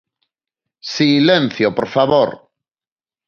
¡Silencio, por favor!